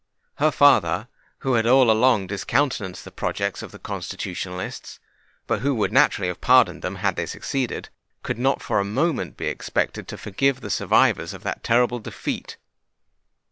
Her father, who had all along discountenanced the projects of the Constitutionalists, but who would naturally have pardoned them had they succeeded, could not for a moment be expected to forgive the survivors of that terrible defeat!